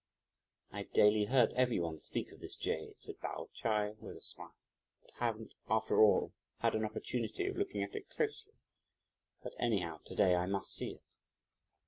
"I've daily heard every one speak of this jade," said Pao Ch'ai with a smile, "but haven't, after all, had an opportunity of looking at it closely, but anyhow to day I must see it."